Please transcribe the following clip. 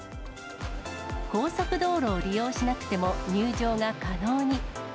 高速道路を利用しなくても入場が可能に。